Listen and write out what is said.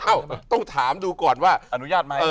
อ้าวต้องถามดูก่อนว่าแอดูญาติไหม